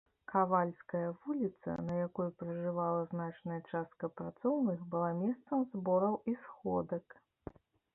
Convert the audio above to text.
Кавальская вуліца, на якой пражывала значная частка працоўных, была месцам збораў і сходак.